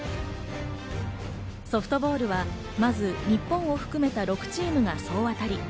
ソフトボールはまず日本を含めた６チームが総当たり。